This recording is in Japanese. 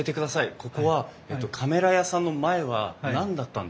ここはカメラ屋さんの前は何だったんですか？